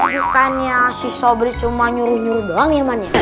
bukannya si sobri cuma nyuruh nyuruh doang ya man ya